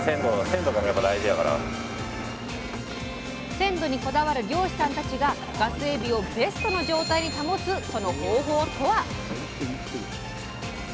鮮度にこだわる漁師さんたちがガスエビをベストの状態に保つその方法とは？